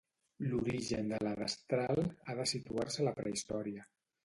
L'origen de la destral ha de situar-se a la prehistòria.